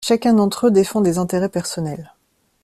Chacun d’entre eux défend des intérêts personnels.